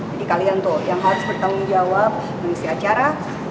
jadi kalian tuh yang harus bertanggung jawab mengisi acara